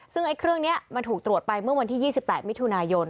ซึ่งเครื่องนี้มันถูกตรวจไปเมื่อวันที่๒๘มิถุนายน